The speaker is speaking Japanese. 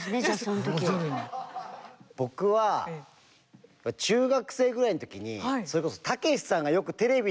僕は中学生ぐらいの時にそれこそたけしさんがよくテレビで着てたセーターがあって。